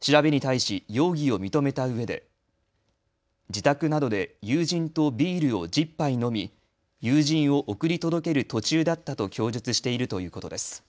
調べに対し容疑を認めたうえで自宅などで友人とビールを１０杯飲み友人を送り届ける途中だったと供述しているということです。